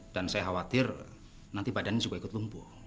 dan saya khawatir nanti badannya juga ikut lumpuh